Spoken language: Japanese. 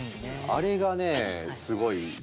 あれがねすごい好きで。